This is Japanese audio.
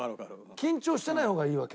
緊張してない方がいいわけ。